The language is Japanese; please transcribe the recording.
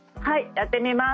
やってみます。